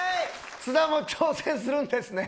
津田も挑戦するんですね。